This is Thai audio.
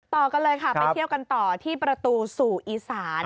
ต่อกันเลยค่ะไปเที่ยวกันต่อที่ประตูสู่อีสาน